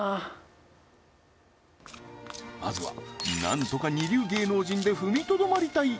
まずはなんとか二流芸能人で踏みとどまりたい